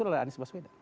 adalah anies baswedan